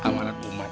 kalau tuh duit